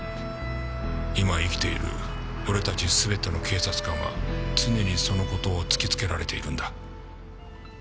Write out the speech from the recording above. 今生きている俺たち全ての警察官は常にその事を突きつけられているんだ。